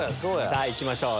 さぁいきましょう！